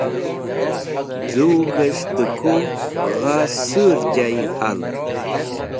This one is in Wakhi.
Z̃ug̃hẽs̃h dẽ kuv gha sur jay hald.